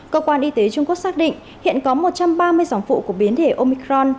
cơ quan y tế trung quốc xác định hiện có một trăm ba mươi dòng phụ của biến thể omicron